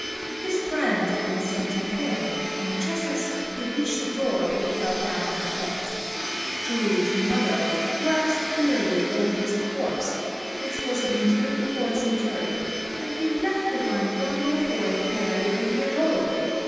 His friend then sent him home; and just as he reached the door he fell down dead. Chu's mother wept bitterly over his corpse, which was in due course interred; and he left behind one little boy barely a year old.